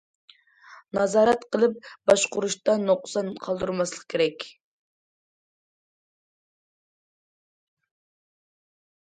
نازارەت قىلىپ باشقۇرۇشتا نۇقسان قالدۇرماسلىق كېرەك.